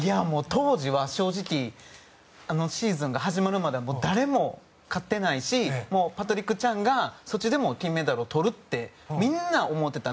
当時は正直シーズンが始まるまで誰も勝てないしパトリック・チャンがソチでも金メダルをとるってみんな思ってた。